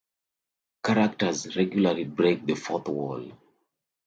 Characters regularly break the fourth wall.